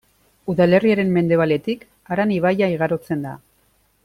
Udalerriaren mendebaletik Aran ibaia igarotzen da.